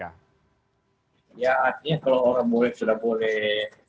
ya artinya kalau orang murid sudah boleh